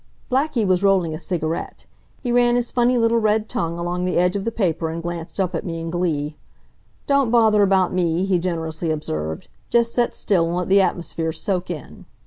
Blackie was rolling a cigarette. He ran his funny little red tongue along the edge of the paper and glanced up at me in glee. "Don't bother about me," he generously observed. "Just set still and let the atmosphere soak in."